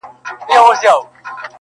هغه بېغمه له مرګه ژونده -